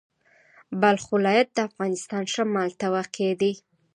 بلخ ولایت د افغانستان شمال ته واقع دی.